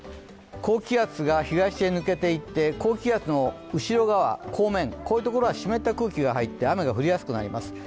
高気圧が東へ向けていって高気圧の後ろ側、こういったところは湿った空気が入って雨が降りやすくなります。